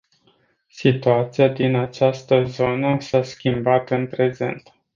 Situația din această zonă s-a schimbat în prezent.